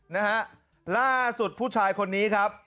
นะฮะล่าสุดผู้ชายคนนี้ครับ